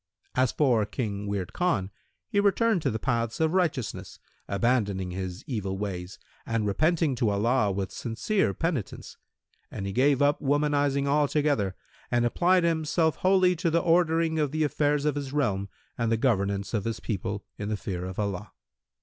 As for King Wird Khan, he returned to the paths of righteousness, abandoning his evil ways and repenting to Allah with sincere penitence; and he gave up womanising altogether and applied himself wholly to the ordering of the affairs of his realm and the governance of his people in the fear of Allah.